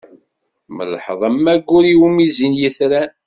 Temleḥ, am waggur iwumi zzin yitran.